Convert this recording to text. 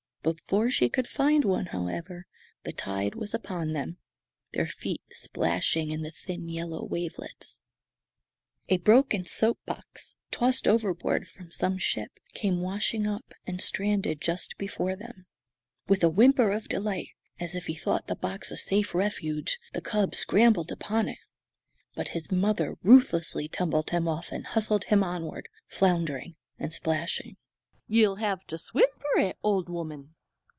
Before she could find one, however, the tide was upon them, their feet splashing in the thin yellow wavelets. A broken soap box, tossed overboard from some ship, came washing up, and stranded just before them. With a whimper of delight, as if he thought the box a safe refuge, the cub scrambled upon it; but his mother ruthlessly tumbled him off and hustled him onward, floundering and splashing. "Ye'll hev to swim fer it, Old Woman!"